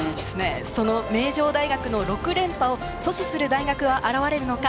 その名城大学の６連覇を阻止する大学は現れるのか？